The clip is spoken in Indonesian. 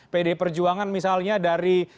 pd perjuangan misalnya dari